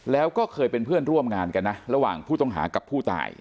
แล้วก็เคยเป็นเพื่อนร่วมงานกันนะระหว่างผู้ต้องหากับผู้ตาย